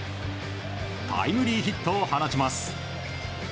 タイムリーヒットを放ちます。